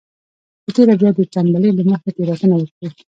په تېره بيا د تنبلۍ له مخې تېروتنه وکړي.